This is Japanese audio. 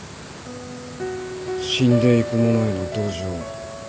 死んでいく者への同情。